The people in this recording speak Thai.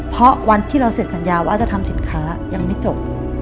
เพราะวันที่เราเสร็จสัญญาว่าจะทำสินค้ายังไม่จบ